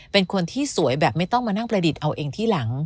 เป็นคนที่สวยแบบไม่ต้องมานั่งประดิษฐ์เอาเองที่หลัง